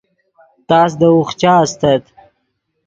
تس دے اوخچا استت